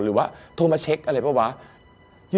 หรือว่าโทรมาเช็คอะไรเปล่าวะ